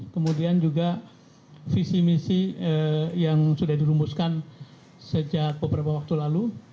kemudian juga visi misi yang sudah dirumuskan sejak beberapa waktu lalu